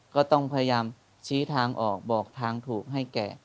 ก็ต้องพยายามชี้ทางออกบอกทางถูกให้แกะ